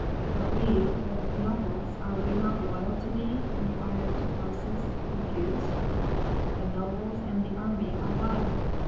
"But we, the nobles, are we not loyal to thee?" inquired Tutmosis, confused. "The nobles and the army are one."